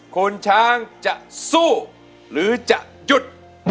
คุณช้างจะสู้หรือจะหยุด